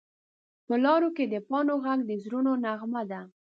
په لارو کې د پاڼو غږ د زړونو نغمه ده